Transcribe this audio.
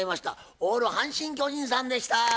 オール阪神・巨人さんでした。